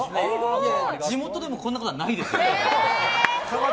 地元でもこんなことはないですよ。